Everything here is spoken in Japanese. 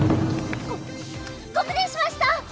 ごご無礼しました！